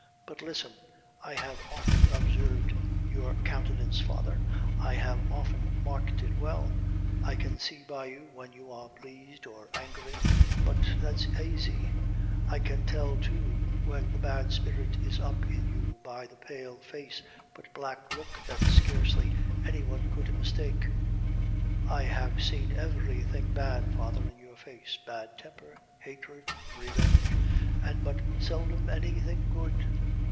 But listen I have often observed your countenance, father I have often marked it well. I can see by you when you are pleased or angry but that's aisy; I can tell, too, when the bad spirit is up in you by the pale face but black look that scarcely any one could mistake. I have seen every thing bad, father, in your face bad temper, hatred, revenge an' but seldom any thing good.